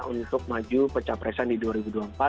untuk maju kecapresan di dua ribu dua puluh empat